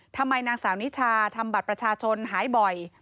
ทำไมนางสาวนิชาทำบัตรประชาชนหายบ่อย